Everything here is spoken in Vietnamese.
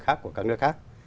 khác của các nước khác